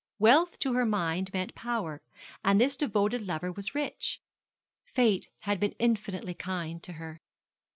Wealth to her mind meant power; and this devoted lover was rich. Fate had been infinitely kind to her.